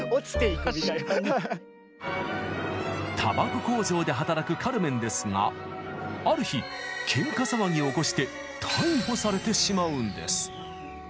たばこ工場で働くカルメンですがある日喧嘩騒ぎを起こして逮捕されてしまうんです。